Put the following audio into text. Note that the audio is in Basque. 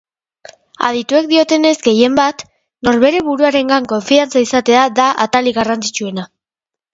Adituek diotenez, gehien bat, norbere buruarengan konfidantza izatea da atalik garrantzitsuena.